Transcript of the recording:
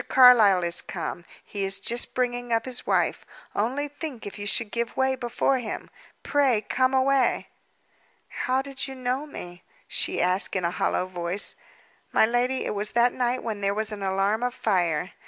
Carlyle is come; he is just bringing up his wife. Only think if you should give way before him! Pray come away!" "How did you know me?" she asked in a hollow voice. "My lady, it was that night when there was an alarm of fire.